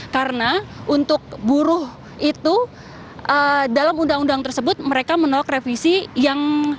karena untuk buruh itu dalam undang undang tersebut mereka menolak revisi yang